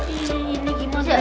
ini gimana tuh